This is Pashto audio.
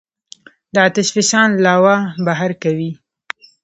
د آتش فشان لاوا بهر کوي.